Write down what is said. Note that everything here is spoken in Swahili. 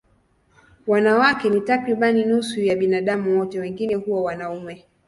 Wanawake ni takriban nusu ya binadamu wote, wengine huwa wanaume.